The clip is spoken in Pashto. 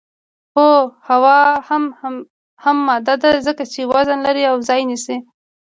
هو هوا هم ماده ده ځکه چې وزن لري او ځای نیسي